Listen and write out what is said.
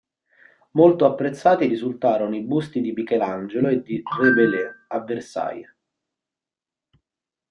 Molto apprezzati risultarono i busti di "Michelangelo" e di "Rabelais" a Versailles.